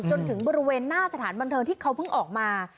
จนถึงบริเวณหน้าสถานบันเทิงที่เขาเพิ่งออกมา